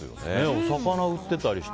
お魚売ってたりして。